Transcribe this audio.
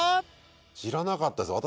知らなかったです。